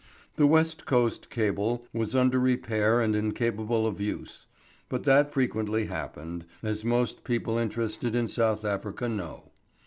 The West Coast cable was under repair and incapable of use. But that frequently happened, as most people interested in South Africa know.